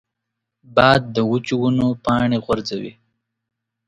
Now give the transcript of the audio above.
باد د وچو ونو پاڼې غورځوي